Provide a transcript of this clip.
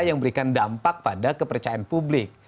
yang memberikan dampak pada kepercayaan publik